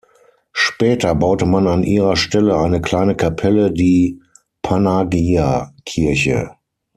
Später baute man an ihrer Stelle eine kleine Kapelle, die "Panagia-Kirche".